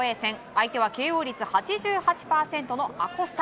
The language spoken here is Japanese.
相手はＫＯ率８８％のアコスタ。